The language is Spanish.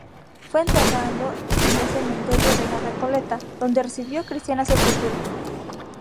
Fue enterrando en el cementerio de la Recoleta, donde recibió cristiana sepultura.